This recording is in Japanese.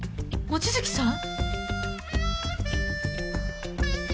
望月さん？